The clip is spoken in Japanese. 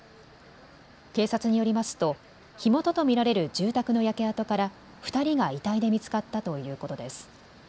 警察によりますと火元と見られる住宅の焼け跡から２人が遺体で見つかったということです。